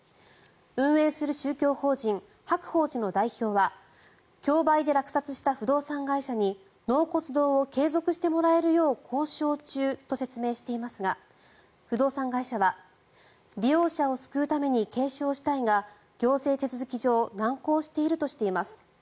運営する宗教法人白鳳寺の代表は競売で落札した不動産会社に納骨堂を継続してもらえるよう交渉中と説明していますが不動産会社は利用者を救うために継承したいが行政手続き上難航しているとしています。